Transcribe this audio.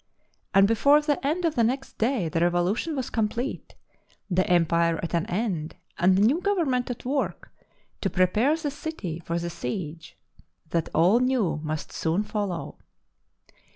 " and before the end of the next day the revolution was complete, the empire at an end, and the new government at work to prepare the city for the siege that all knew must soon follow.